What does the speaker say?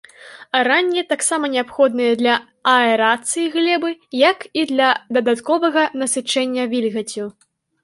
Аранне таксама неабходнае для аэрацыі глебы, як і для дадатковага насычэння вільгаццю.